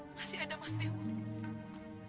masih ada mas dewa